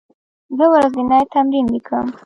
زه ورځنی تمرین لیکم.